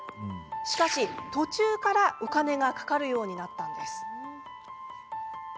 しかし、途中からお金がかかるようになったのです。